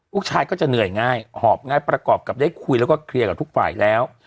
ลูกชายก็จะเหนื่อยง่ายหอบง่ายประกอบกับได้คุยแล้วก็เคลียร์กับทุกฝ่ายแล้ว